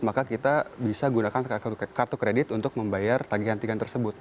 maka kita bisa gunakan kartu kredit untuk membayar tagihan tagihan tersebut